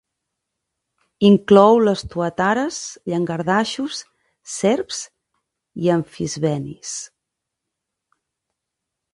Inclou les tuatares, llangardaixos, serps i amfisbenis.